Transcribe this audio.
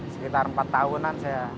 sekitar empat tahunan saya